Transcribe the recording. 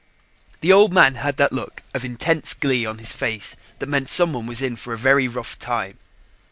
The Old Man had that look of intense glee on his face that meant someone was in for a very rough time.